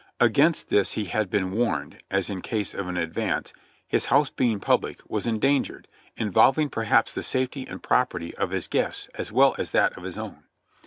Against this he had been warned, as in case of an advance, his house being public, was endangered, involving perhaps the safety and property of his guests as well as that of his own.